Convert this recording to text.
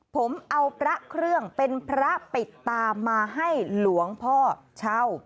ผมเอาพระเครื่องเป็นพระปิดตามาให้หลวงพ่อเช่า